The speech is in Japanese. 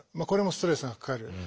これもストレスがかかる。